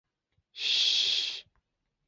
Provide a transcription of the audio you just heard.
北婆罗洲在入境与出境事务中有保留权。